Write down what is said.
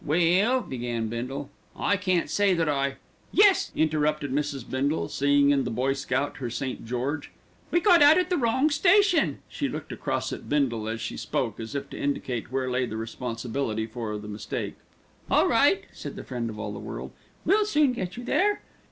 "Well," began Bindle, "I can't say that I " "Yes," interrupted Mrs. Bindle, seeing in the boy scout her St. George; "we got out at the wrong station." She looked across at Bindle as she spoke, as if to indicate where lay the responsibility for the mistake. "All right!" said the friend of all the world. "We'll soon get you there."